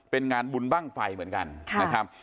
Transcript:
เป็นงานบุญบ้างไฟเหมือนกันนะครับ